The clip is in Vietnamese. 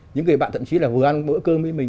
những người bạn thậm chí là vừa ăn bữa cơm với mình